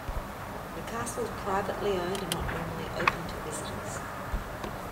The Castle is privately owned and not normally open to visitors.